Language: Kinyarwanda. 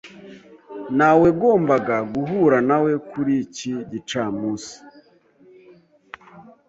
Nawegombaga guhura nawe kuri iki gicamunsi.